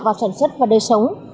và sản xuất và đời sống